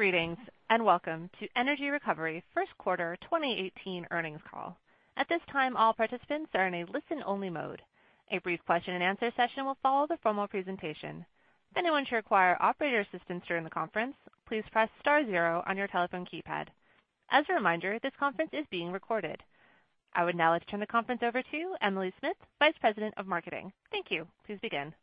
Greetings, welcome to Energy Recovery first quarter 2018 earnings call. At this time, all participants are in a listen-only mode. A brief question and answer session will follow the formal presentation. If anyone should require operator assistance during the conference, please press star zero on your telephone keypad. As a reminder, this conference is being recorded. I would now like to turn the conference over to Emily Smith, Vice President of Marketing. Thank you. Please begin.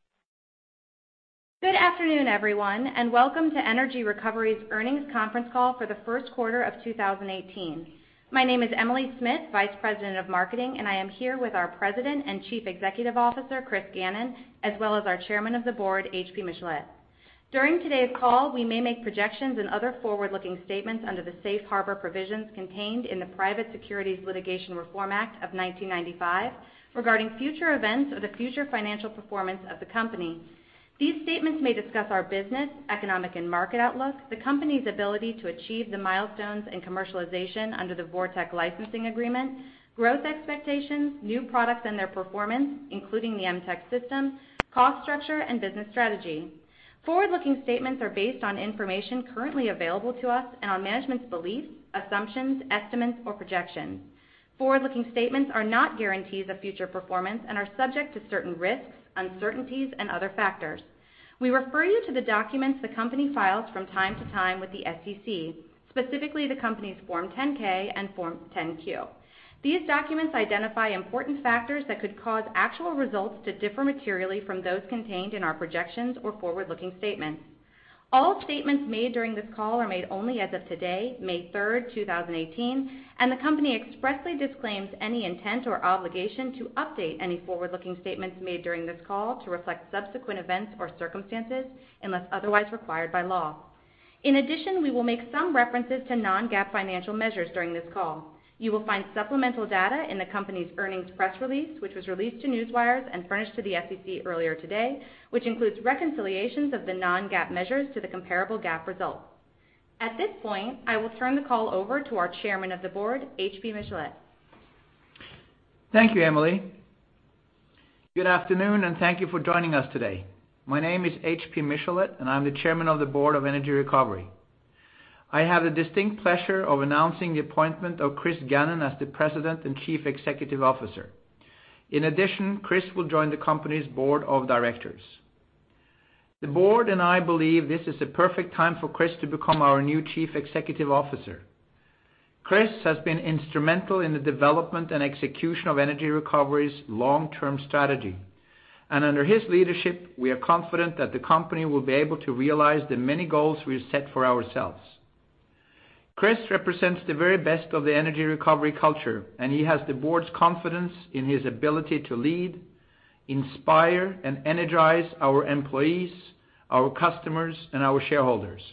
Good afternoon, everyone, welcome to Energy Recovery's earnings conference call for the first quarter of 2018. My name is Emily Smith, Vice President of Marketing, and I am here with our President and Chief Executive Officer, Chris Gannon, as well as our Chairman of the Board, H.P. Michelet. During today's call, we may make projections and other forward-looking statements under the safe harbor provisions contained in the Private Securities Litigation Reform Act of 1995 regarding future events or the future financial performance of the company. These statements may discuss our business, economic, and market outlook, the company's ability to achieve the milestones and commercialization under the VorTeq licensing agreement, growth expectations, new products, and their performance, including the MTeq system, cost structure, and business strategy. Forward-looking statements are based on information currently available to us and on management's beliefs, assumptions, estimates, or projections. Forward-looking statements are not guarantees of future performance and are subject to certain risks, uncertainties, and other factors. We refer you to the documents the company files from time to time with the SEC, specifically the company's Form 10-K and Form 10-Q. These documents identify important factors that could cause actual results to differ materially from those contained in our projections or forward-looking statements. All statements made during this call are made only as of today, May 3rd, 2018, the company expressly disclaims any intent or obligation to update any forward-looking statements made during this call to reflect subsequent events or circumstances unless otherwise required by law. In addition, we will make some references to non-GAAP financial measures during this call. You will find supplemental data in the company's earnings press release, which was released to newswires and furnished to the SEC earlier today, which includes reconciliations of the non-GAAP measures to the comparable GAAP results. At this point, I will turn the call over to our Chairman of the Board, H.P. Michelet. Thank you, Emily. Good afternoon. Thank you for joining us today. My name is H.P. Michelet. I'm the Chairman of the Board of Energy Recovery. I have the distinct pleasure of announcing the appointment of Chris Gannon as the President and Chief Executive Officer. Chris will join the company's board of directors. The board and I believe this is the perfect time for Chris to become our new Chief Executive Officer. Chris has been instrumental in the development and execution of Energy Recovery's long-term strategy. Under his leadership, we are confident that the company will be able to realize the many goals we've set for ourselves. Chris represents the very best of the Energy Recovery culture. He has the board's confidence in his ability to lead, inspire, and energize our employees, our customers, and our shareholders.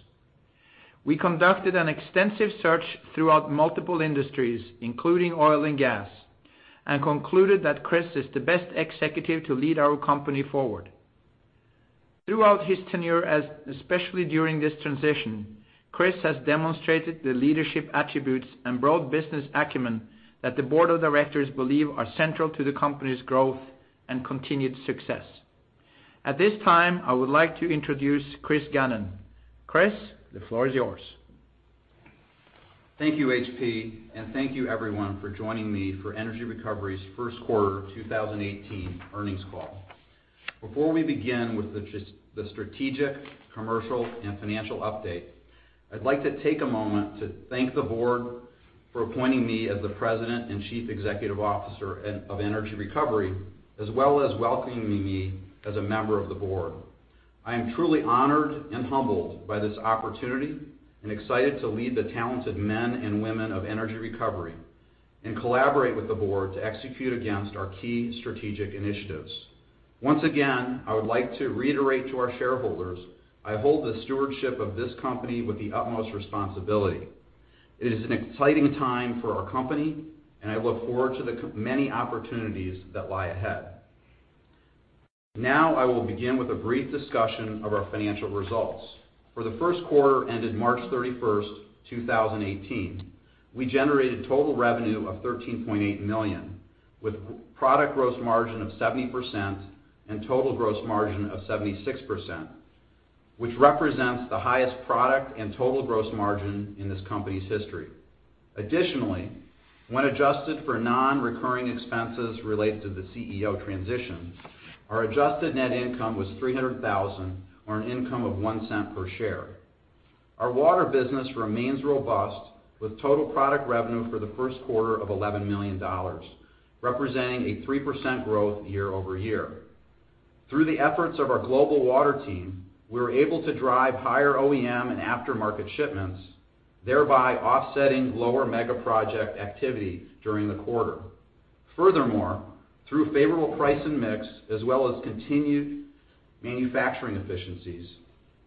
We conducted an extensive search throughout multiple industries, including oil and gas. We concluded that Chris is the best executive to lead our company forward. Throughout his tenure, especially during this transition, Chris has demonstrated the leadership attributes and broad business acumen that the board of directors believe are central to the company's growth and continued success. I would like to introduce Chris Gannon. Chris, the floor is yours. Thank you, H.P. Thank you everyone for joining me for Energy Recovery's first quarter 2018 earnings call. Before we begin with the strategic, commercial, and financial update, I'd like to take a moment to thank the board for appointing me as the President and Chief Executive Officer of Energy Recovery, as well as welcoming me as a member of the board. I am truly honored and humbled by this opportunity. I am excited to lead the talented men and women of Energy Recovery and collaborate with the board to execute against our key strategic initiatives. I would like to reiterate to our shareholders, I hold the stewardship of this company with the utmost responsibility. It is an exciting time for our company. I look forward to the many opportunities that lie ahead. I will begin with a brief discussion of our financial results. For the first quarter ended March 31, 2018, we generated total revenue of $13.8 million, with product gross margin of 70% and total gross margin of 76%, which represents the highest product and total gross margin in this company's history. When adjusted for non-recurring expenses related to the CEO transition, our adjusted net income was $300,000, or an income of $0.01 per share. Our water business remains robust with total product revenue for the first quarter of $11 million, representing a 3% growth year-over-year. Through the efforts of our global water team, we were able to drive higher OEM and aftermarket shipments, thereby offsetting lower mega-project activity during the quarter. Through favorable price and mix as well as continued manufacturing efficiencies,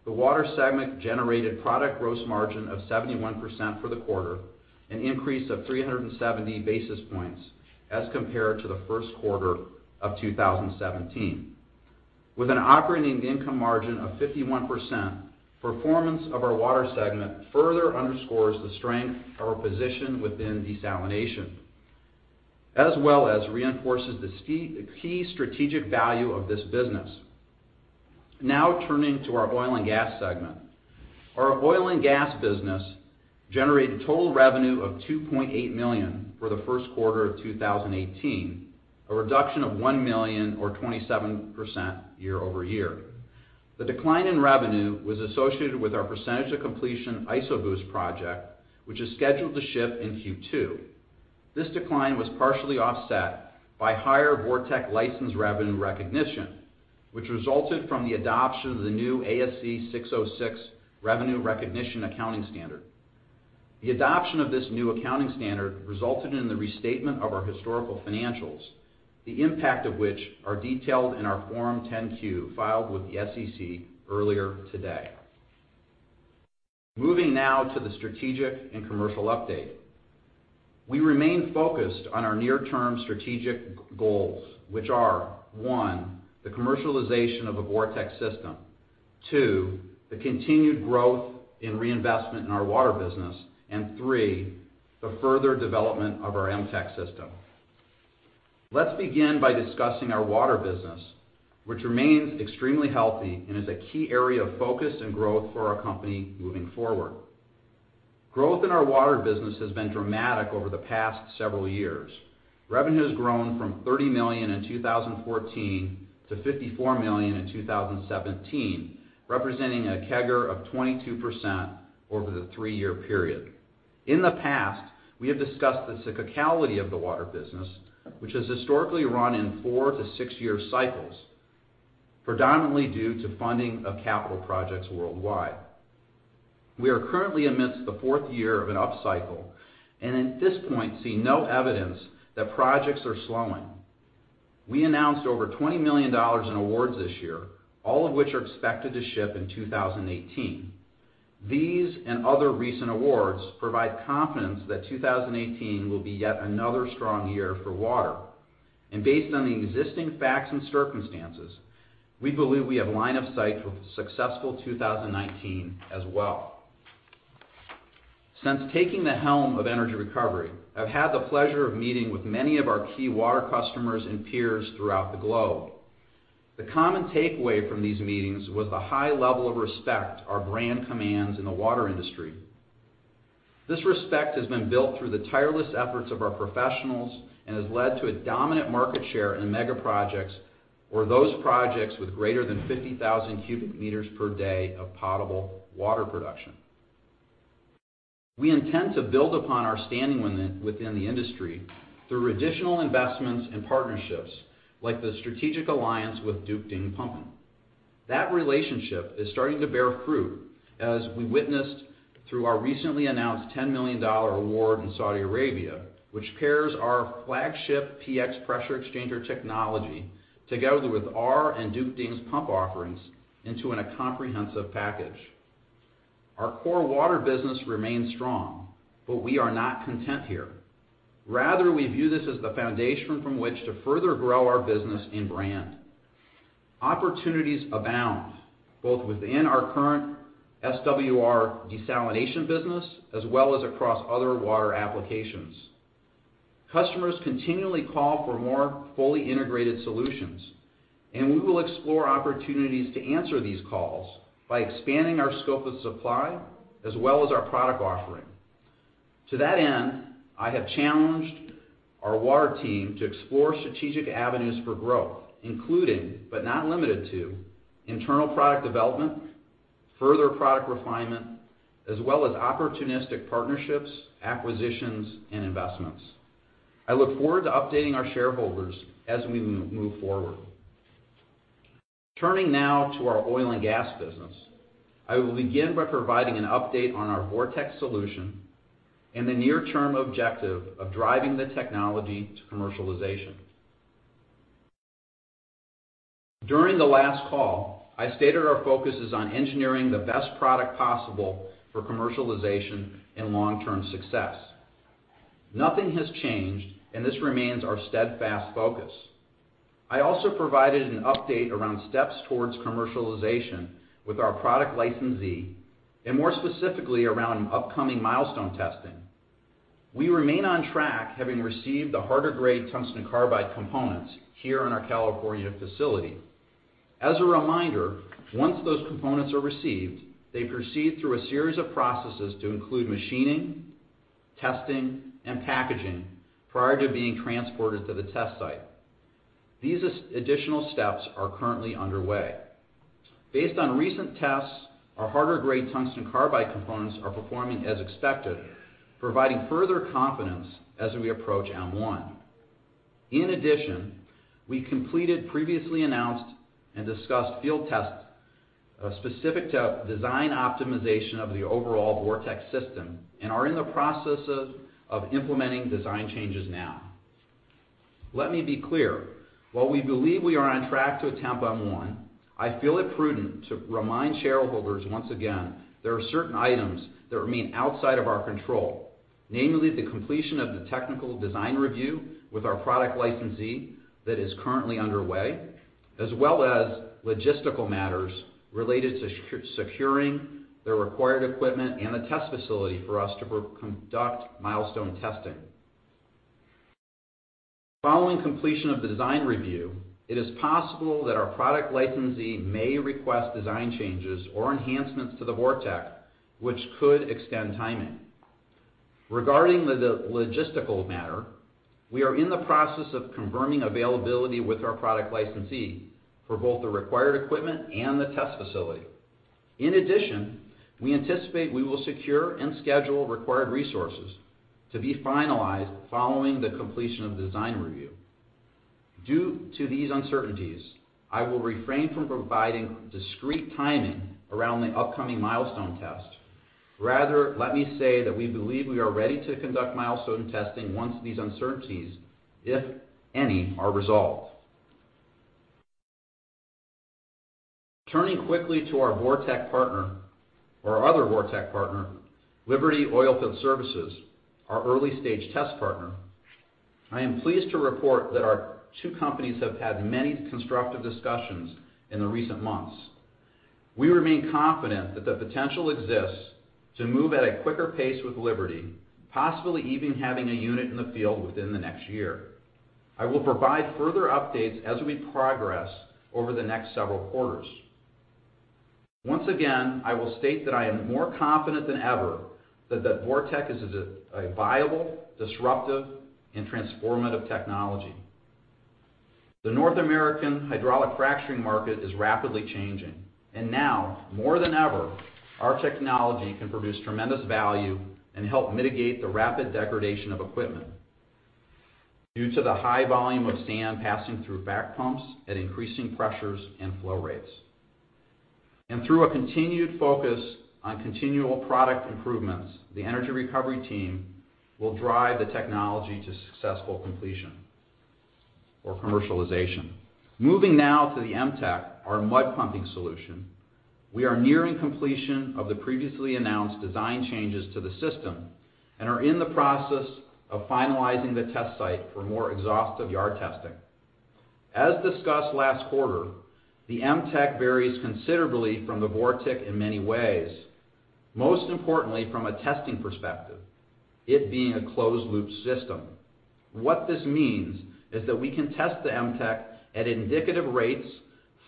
the water segment generated product gross margin of 71% for the quarter, an increase of 370 basis points as compared to the first quarter of 2017. With an operating income margin of 51%, performance of our water segment further underscores the strength of our position within desalination. Reinforces the key strategic value of this business. Turning to our oil and gas segment. Our oil and gas business generated total revenue of $2.8 million for the first quarter of 2018, a reduction of $1 million or 27% year-over-year. The decline in revenue was associated with our percentage of completion IsoBoost project, which is scheduled to ship in Q2. This decline was partially offset by higher VorTeq license revenue recognition, which resulted from the adoption of the new ASC 606 revenue recognition accounting standard. The adoption of this new accounting standard resulted in the restatement of our historical financials, the impact of which are detailed in our Form 10-Q filed with the SEC earlier today. Moving now to the strategic and commercial update. We remain focused on our near-term strategic goals, which are, one, the commercialization of a VorTeq system, two, the continued growth in reinvestment in our water business, and three, the further development of our MTeq system. Let's begin by discussing our water business, which remains extremely healthy and is a key area of focus and growth for our company moving forward. Growth in our water business has been dramatic over the past several years. Revenue has grown from $30 million in 2014 to $54 million in 2017, representing a CAGR of 22% over the three-year period. In the past, we have discussed the cyclicality of the water business, which has historically run in four to six-year cycles, predominantly due to funding of capital projects worldwide. We are currently amidst the fourth year of an upcycle, at this point see no evidence that projects are slowing. We announced over $20 million in awards this year, all of which are expected to ship in 2018. These and other recent awards provide confidence that 2018 will be yet another strong year for water. Based on the existing facts and circumstances, we believe we have line of sight for a successful 2019 as well. Since taking the helm of Energy Recovery, I've had the pleasure of meeting with many of our key water customers and peers throughout the globe. The common takeaway from these meetings was the high level of respect our brand commands in the water industry. This respect has been built through the tireless efforts of our professionals and has led to a dominant market share in mega projects or those projects with greater than 50,000 cubic meters per day of potable water production. We intend to build upon our standing within the industry through additional investments and partnerships, like the strategic alliance with Düchting Pumpen. That relationship is starting to bear fruit as we witnessed through our recently announced $10 million award in Saudi Arabia, which pairs our flagship PX Pressure Exchanger technology together with our and Duke Ding's pump offerings into a comprehensive package. Our core water business remains strong, we are not content here. Rather, we view this as the foundation from which to further grow our business and brand. Opportunities abound, both within our current SWR desalination business as well as across other water applications. Customers continually call for more fully integrated solutions. We will explore opportunities to answer these calls by expanding our scope of supply as well as our product offering. To that end, I have challenged our water team to explore strategic avenues for growth, including, but not limited to, internal product development, further product refinement, as well as opportunistic partnerships, acquisitions, and investments. I look forward to updating our shareholders as we move forward. Turning now to our oil and gas business. I will begin by providing an update on our VorTeq solution and the near-term objective of driving the technology to commercialization. During the last call, I stated our focus is on engineering the best product possible for commercialization and long-term success. Nothing has changed. This remains our steadfast focus. I also provided an update around steps towards commercialization with our product licensee, and more specifically around upcoming milestone testing. We remain on track, having received the harder grade tungsten carbide components here in our California facility. As a reminder, once those components are received, they proceed through a series of processes to include machining, testing, and packaging prior to being transported to the test site. These additional steps are currently underway. Based on recent tests, our harder grade tungsten carbide components are performing as expected, providing further confidence as we approach M1. In addition, we completed previously announced and discussed field tests specific to design optimization of the overall VorTeq system and are in the process of implementing design changes now. Let me be clear. While we believe we are on track to attempt M1, I feel it prudent to remind shareholders once again, there are certain items that remain outside of our control. Namely, the completion of the technical design review with our product licensee that is currently underway, as well as logistical matters related to securing the required equipment and a test facility for us to conduct milestone testing. Following completion of the design review, it is possible that our product licensee may request design changes or enhancements to the VorTeq, which could extend timing. Regarding the logistical matter, we are in the process of confirming availability with our product licensee for both the required equipment and the test facility. In addition, we anticipate we will secure and schedule required resources to be finalized following the completion of the design review. Due to these uncertainties, I will refrain from providing discrete timing around the upcoming milestone test. Rather, let me say that we believe we are ready to conduct milestone testing once these uncertainties, if any, are resolved. Turning quickly to our other VorTeq partner, Liberty Oilfield Services, our early-stage test partner. I am pleased to report that our two companies have had many constructive discussions in the recent months. We remain confident that the potential exists to move at a quicker pace with Liberty, possibly even having a unit in the field within the next year. I will provide further updates as we progress over the next several quarters. Once again, I will state that I am more confident than ever that the VorTeq is a viable, disruptive, and transformative technology. The North American hydraulic fracturing market is rapidly changing, now more than ever, our technology can produce tremendous value and help mitigate the rapid degradation of equipment due to the high volume of sand passing through frac pumps at increasing pressures and flow rates. Through a continued focus on continual product improvements, the Energy Recovery team will drive the technology to successful completion or commercialization. Moving now to the MTeq, our mud-pumping solution. We are nearing completion of the previously announced design changes to the system and are in the process of finalizing the test site for more exhaustive yard testing. As discussed last quarter, the MTeq varies considerably from the VorTeq in many ways, most importantly from a testing perspective, it being a closed-loop system. What this means is that we can test the MTeq at indicative rates,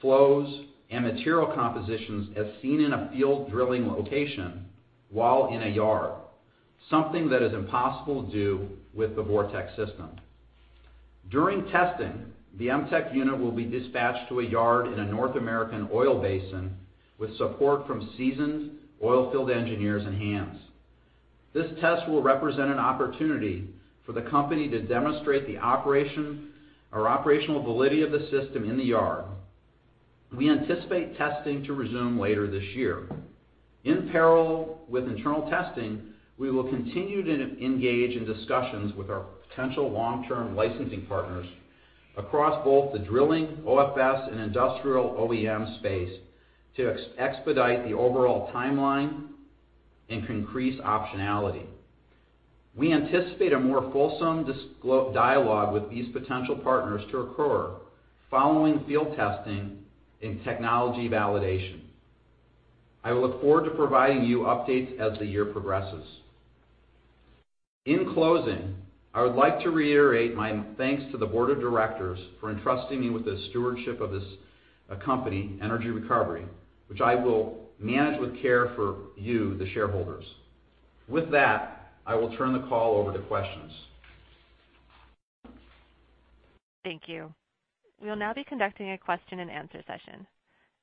flows, and material compositions as seen in a field drilling location while in a yard. Something that is impossible to do with the VorTeq system. During testing, the MTeq unit will be dispatched to a yard in a North American oil basin with support from seasoned oil field engineers and hands. This test will represent an opportunity for the company to demonstrate the operational validity of the system in the yard. We anticipate testing to resume later this year. In parallel with internal testing, we will continue to engage in discussions with our potential long-term licensing partners across both the drilling, OFS, and industrial OEM space to expedite the overall timeline and increase optionality. We anticipate a more fulsome dialogue with these potential partners to occur following field testing and technology validation. I look forward to providing you updates as the year progresses. In closing, I would like to reiterate my thanks to the board of directors for entrusting me with the stewardship of this company, Energy Recovery, which I will manage with care for you, the shareholders. With that, I will turn the call over to questions. Thank you. We'll now be conducting a question and answer session.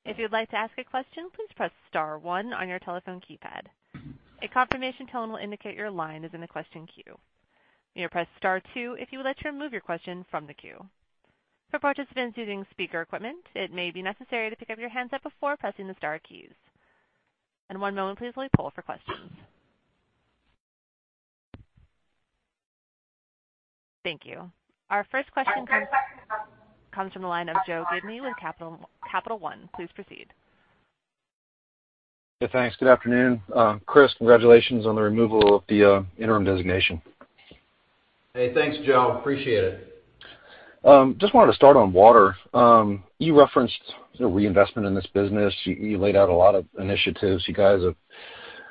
If you'd like to ask a question, please press *1 on your telephone keypad. A confirmation tone will indicate your line is in the question queue. You may press *2 if you would like to remove your question from the queue. For participants using speaker equipment, it may be necessary to pick up your handset before pressing the star keys. One moment please while we poll for questions. Thank you. Our first question comes from the line of Joe Gibney with Capital One. Please proceed. Yeah, thanks. Good afternoon. Chris, congratulations on the removal of the interim designation. Hey, thanks, Joe. Appreciate it. Wanted to start on water. You referenced the reinvestment in this business. You laid out a lot of initiatives. You guys have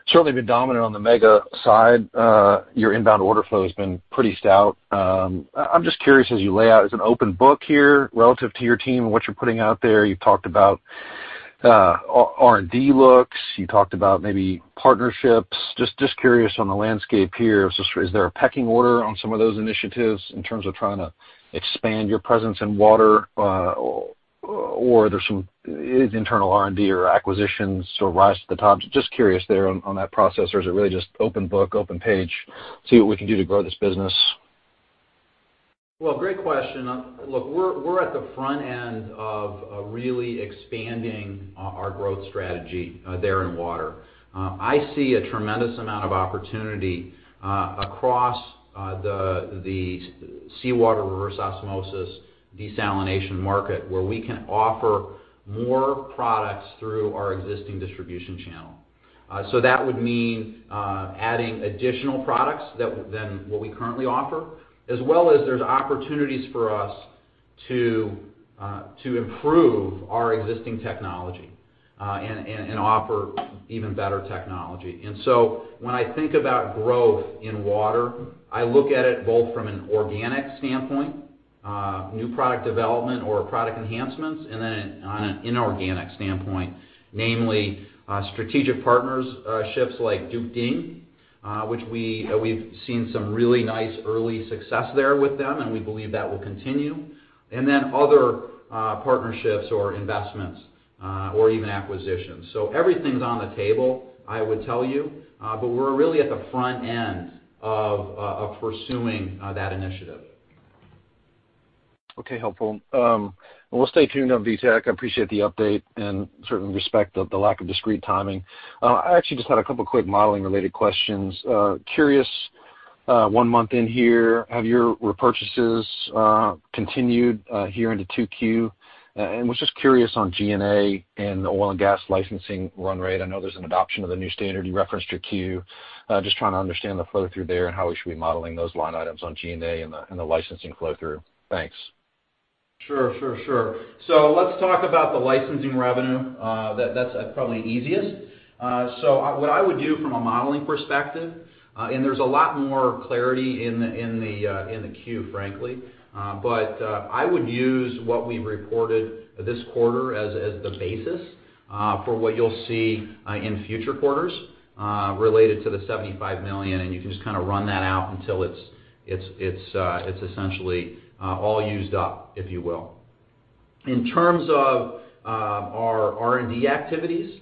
certainly been dominant on the mega side. Your inbound order flow has been pretty stout. I'm just curious, as you lay out, it's an open book here relative to your team and what you're putting out there. You talked about R&D looks. You talked about maybe partnerships. Just curious on the landscape here. Is there a pecking order on some of those initiatives in terms of trying to expand your presence in water? There's some internal R&D or acquisitions rise to the top? Just curious there on that process, or is it really just open book, open page, see what we can do to grow this business? Well, great question. Look, we're at the front end of really expanding our growth strategy there in water. I see a tremendous amount of opportunity across the seawater reverse osmosis desalination market, where we can offer more products through our existing distribution channel. That would mean adding additional products than what we currently offer, as well as there's opportunities for us to improve our existing technology and offer even better technology. When I think about growth in water, I look at it both from an organic standpoint, new product development or product enhancements, and then on an inorganic standpoint, namely strategic partnerships like Düchting, which we've seen some really nice early success there with them, and we believe that will continue. Other partnerships or investments, or even acquisitions. Everything's on the table, I would tell you, but we're really at the front end of pursuing that initiative. Okay, helpful. We'll stay tuned on VorTeq. I appreciate the update and certainly respect the lack of discreet timing. I actually just had a couple quick modeling related questions. Curious, one month in here, have your repurchases continued here into 2Q? Was just curious on G&A and the oil and gas licensing run rate. I know there's an adoption of the new standard. You referenced your Q. Just trying to understand the flow through there and how we should be modeling those line items on G&A and the licensing flow through. Thanks. Sure. Let's talk about the licensing revenue. That's probably easiest. What I would do from a modeling perspective, and there's a lot more clarity in the Q, frankly. I would use what we've reported this quarter as the basis for what you'll see in future quarters related to the $75 million, and you can just kind of run that out until it's essentially all used up, if you will. In terms of our R&D activities,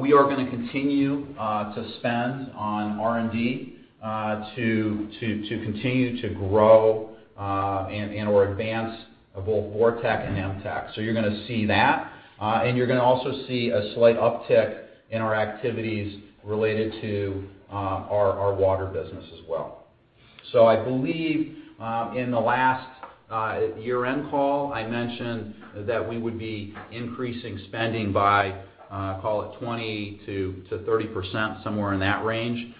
we are going to continue to spend on R&D to continue to grow and/or advance both VorTeq and MTeq. You're going to see that. You're going to also see a slight uptick in our activities related to our water business as well. I believe in the last year-end call, I mentioned that we would be increasing spending by, call it 20%-30%, somewhere in that range,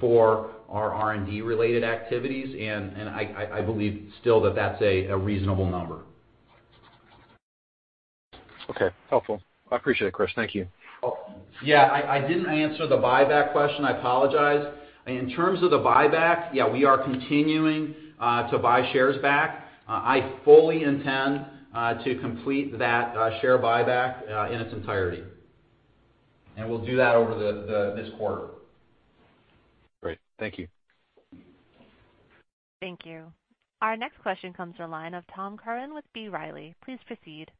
for our R&D related activities. I believe still that that's a reasonable number. Okay. Helpful. I appreciate it, Chris. Thank you. Yeah, I didn't answer the buyback question. I apologize. In terms of the buyback, yeah, we are continuing to buy shares back. I fully intend to complete that share buyback in its entirety. We'll do that over this quarter. Great. Thank you. Thank you. Our next question comes to the line of Tom Curran with B. Riley. Please proceed.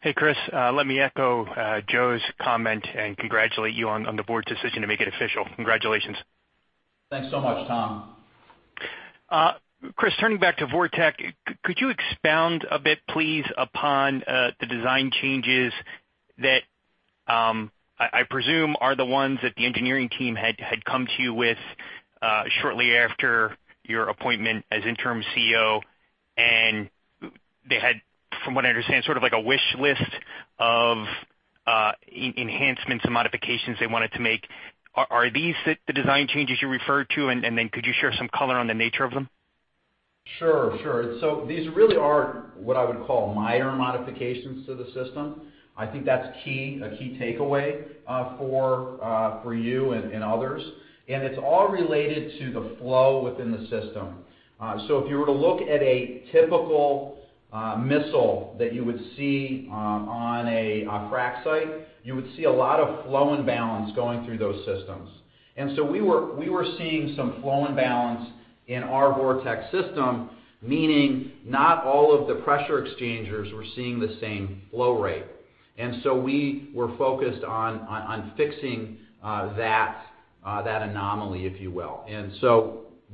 Hey, Chris. Let me echo Joe's comment and congratulate you on the board's decision to make it official. Congratulations. Thanks so much, Tom. Chris, turning back to VorTeq, could you expound a bit, please, upon the design changes that I presume are the ones that the engineering team had come to you with shortly after your appointment as interim CEO, they had, from what I understand, sort of like a wish list of enhancements and modifications they wanted to make. Are these the design changes you referred to? Could you share some color on the nature of them? Sure. These really are what I would call minor modifications to the system. I think that's a key takeaway for you and others. It's all related to the flow within the system. If you were to look at a typical missile that you would see on a frac site, you would see a lot of flow imbalance going through those systems. We were seeing some flow imbalance in our VorTeq system, meaning not all of the pressure exchangers were seeing the same flow rate. We were focused on fixing that anomaly, if you will.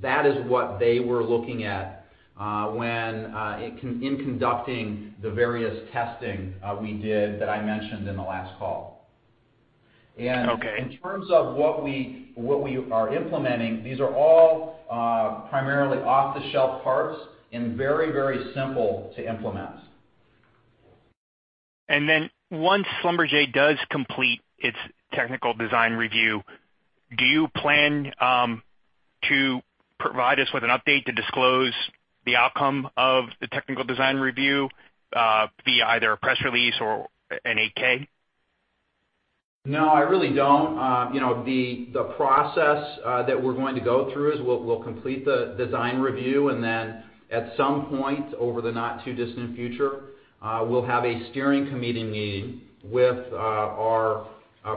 That is what they were looking at when in conducting the various testing we did that I mentioned in the last call. Okay. In terms of what we are implementing, these are all primarily off-the-shelf parts and very simple to implement. Once Schlumberger does complete its technical design review, do you plan to provide us with an update to disclose the outcome of the technical design review, be either a press release or an 8-K? No, I really don't. The process that we're going to go through is we'll complete the design review, and then at some point over the not too distant future, we'll have a steering committee meeting with our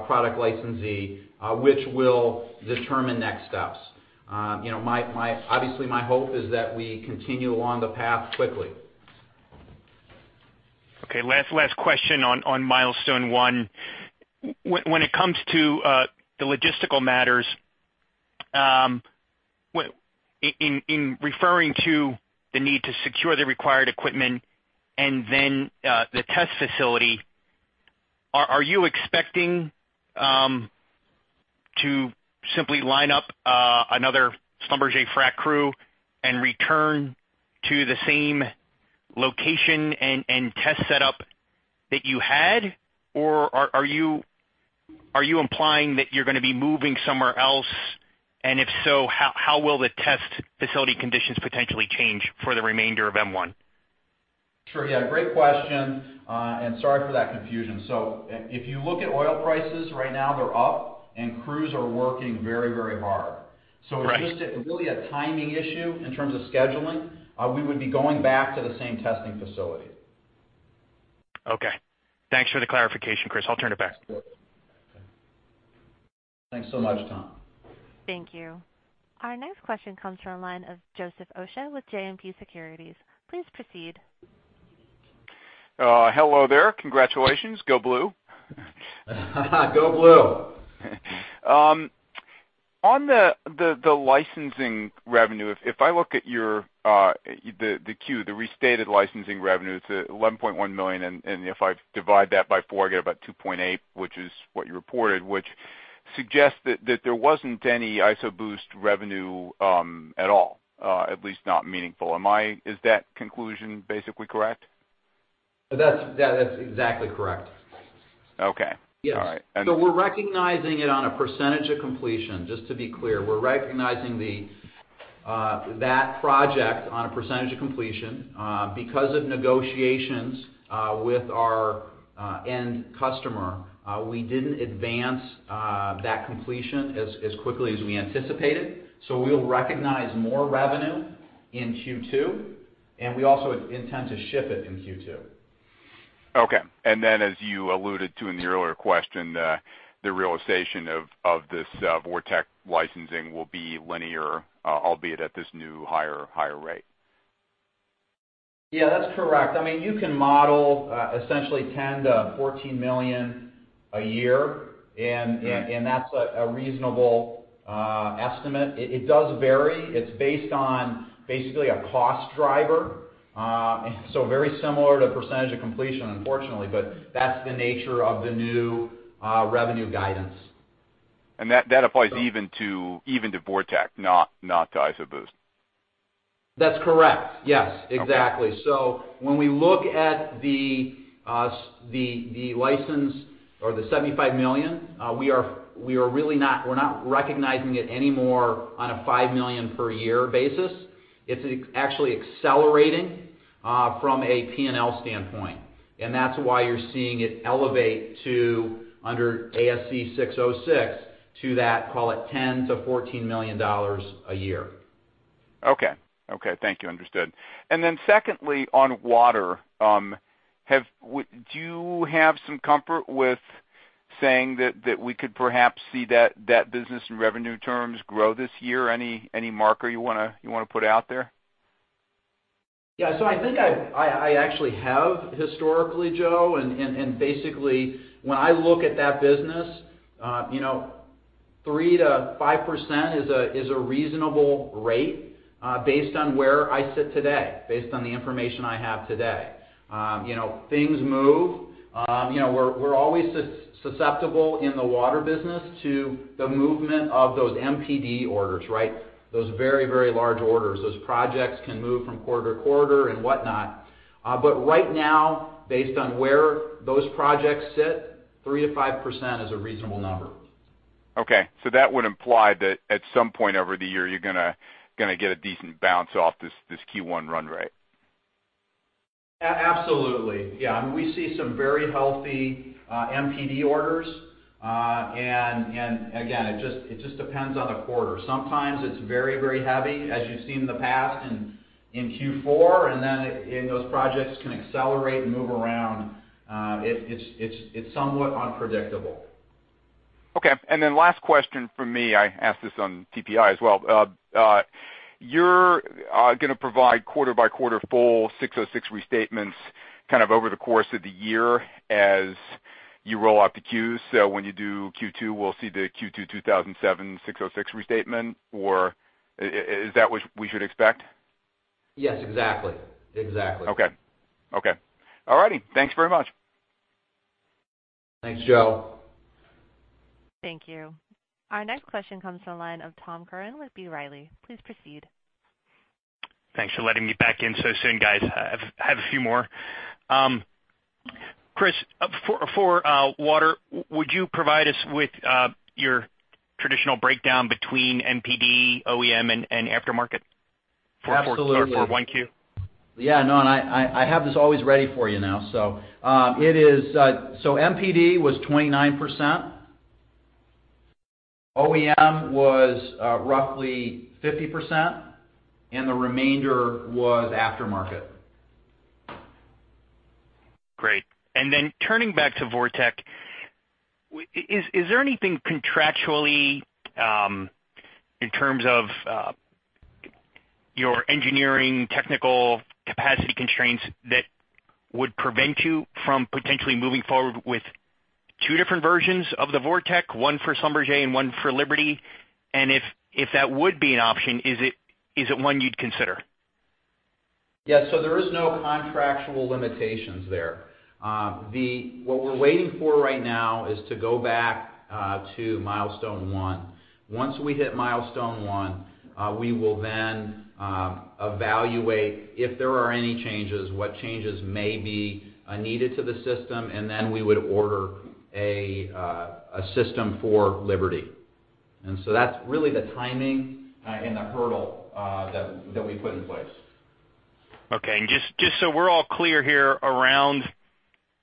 product licensee, which will determine next steps. Obviously, my hope is that we continue along the path quickly. Okay, last question on milestone one. When it comes to the logistical matters, in referring to the need to secure the required equipment and then the test facility, are you expecting to simply line up another Schlumberger frac crew and return to the same location and test setup that you had? Or are you implying that you're going to be moving somewhere else? If so, how will the test facility conditions potentially change for the remainder of M1? Sure. Yeah, great question. Sorry for that confusion. If you look at oil prices, right now they're up and crews are working very hard. Right. It's just really a timing issue in terms of scheduling. We would be going back to the same testing facility. Okay. Thanks for the clarification, Chris. I'll turn it back. Thanks so much, Tom. Thank you. Our next question comes from the line of Joseph Osha with JMP Securities. Please proceed. Hello there. Congratulations. Go blue. Go blue. On the licensing revenue, if I look at the Q, the restated licensing revenue, it's $11.1 million, and if I divide that by four, I get about 2.8, which is what you reported, which suggests that there wasn't any IsoBoost revenue at all, at least not meaningful. Is that conclusion basically correct? That's exactly correct. Okay. All right. Yes. We're recognizing it on a percentage of completion, just to be clear. We're recognizing that project on a percentage of completion. Because of negotiations with our end customer, we didn't advance that completion as quickly as we anticipated. We'll recognize more revenue in Q2, and we also intend to ship it in Q2. Okay. As you alluded to in the earlier question, the realization of this VorTeq licensing will be linear, albeit at this new, higher rate. Yeah, that's correct. You can model essentially $10 million-$14 million a year. That's a reasonable estimate. It does vary. It's based on, basically a cost driver. Very similar to percentage of completion, unfortunately, but that's the nature of the new revenue guidance. That applies even to VorTeq, not to IsoBoost? That's correct. Yes, exactly. Okay. When we look at the license or the $75 million, we're not recognizing it anymore on a $5 million per year basis. It's actually accelerating from a P&L standpoint. That's why you're seeing it elevate to under ASC 606 to that, call it $10 million-$14 million a year. Okay. Thank you. Understood. Secondly, on water, do you have some comfort with saying that we could perhaps see that business in revenue terms grow this year? Any marker you want to put out there? Yeah. I think I actually have historically, Joe, when I look at that business, 3%-5% is a reasonable rate based on where I sit today, based on the information I have today. Things move. We're always susceptible in the water business to the movement of those MPD orders, right? Those very large orders. Those projects can move from quarter-to-quarter and whatnot. Right now, based on where those projects sit, 3%-5% is a reasonable number. Okay. That would imply that at some point over the year, you're going to get a decent bounce off this Q1 run rate. Absolutely. Yeah. We see some very healthy MPD orders. Again, it just depends on the quarter. Sometimes it's very heavy, as you've seen in the past in Q4, those projects can accelerate and move around. It's somewhat unpredictable. Okay. Last question from me, I asked this on TPI as well. You're going to provide quarter by quarter full 606 restatements over the course of the year as you roll out the queues. When you do Q2, we'll see the Q2 2017 606 restatement. Is that what we should expect? Yes, exactly. Okay. All righty. Thanks very much. Thanks, Joe. Thank you. Our next question comes to the line of Tom Curran with B. Riley. Please proceed. Thanks for letting me back in so soon, guys. I have a few more. Chris, for water, would you provide us with your traditional breakdown between MPD, OEM, and aftermarket for 1Q? Yeah, no, I have this always ready for you now. MPD was 29%, OEM was roughly 50%, and the remainder was aftermarket. Great. Then turning back to VorTeq, is there anything contractually in terms of your engineering technical capacity constraints that would prevent you from potentially moving forward with two different versions of the VorTeq, one for Schlumberger and one for Liberty? If that would be an option, is it one you'd consider? Yeah, there is no contractual limitations there. What we're waiting for right now is to go back to milestone one. Once we hit milestone one, we will then evaluate if there are any changes, what changes may be needed to the system, we would order a system for Liberty. That's really the timing and the hurdle that we put in place. Okay. Just so we're all clear here around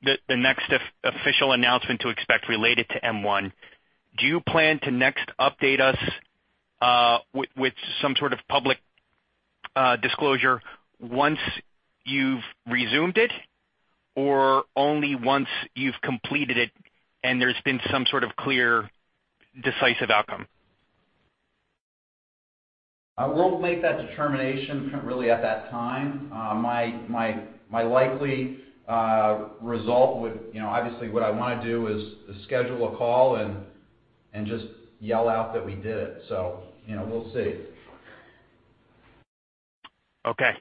the next official announcement to expect related to M1, do you plan to next update us with some sort of public disclosure once you've resumed it, or only once you've completed it and there's been some sort of clear, decisive outcome? I will make that determination really at that time. My likely result obviously, what I want to do is schedule a call and just yell out that we did it. We'll see. Okay.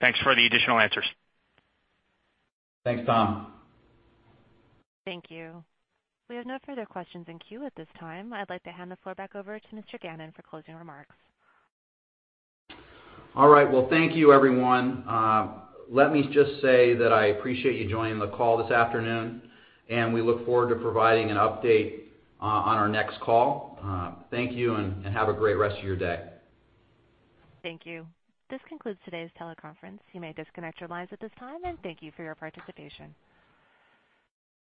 Thanks for the additional answers. Thanks, Tom. Thank you. We have no further questions in queue at this time. I'd like to hand the floor back over to Mr. Gannon for closing remarks. All right. Well, thank you everyone. Let me just say that I appreciate you joining the call this afternoon, and we look forward to providing an update on our next call. Thank you, and have a great rest of your day. Thank you. This concludes today's teleconference. You may disconnect your lines at this time, and thank you for your participation.